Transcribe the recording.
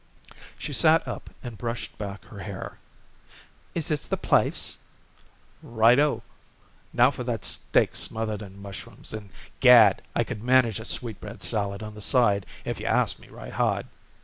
She sat up and brushed back her hair. "Is this the place?" "Right o! Now for that steak smothered in mushrooms, and, gad! I could manage a sweetbread salad on the side if you asked me right hard."